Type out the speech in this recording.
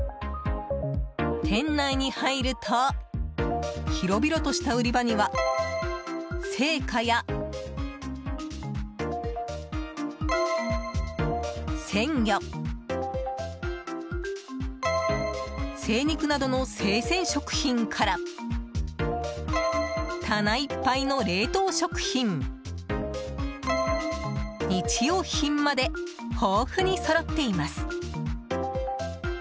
店内に入ると広々とした売り場には青果や鮮魚、精肉などの生鮮食品から棚いっぱいの冷凍食品日用品まで豊富にそろっています。